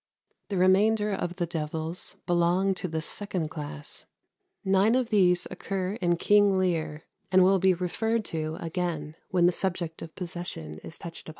The remainder of the devils belong to the second class. Nine of these occur in "King Lear," and will be referred to again when the subject of possession is touched upon.